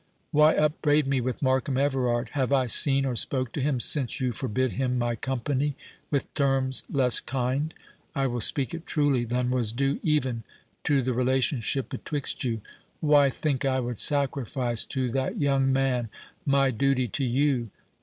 Why upbraid me with Markham Everard? Have I seen or spoke to him since you forbid him my company, with terms less kind—I will speak it truly—than was due even to the relationship betwixt you? Why think I would sacrifice to that young man my duty to you?